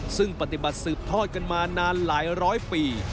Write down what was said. ซึ่งปฏิบัติสืบทอดกันมานานหลายร้อยปี